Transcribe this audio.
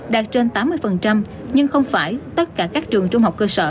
đạt trên tám mươi nhưng không phải tất cả các trường trung học cơ sở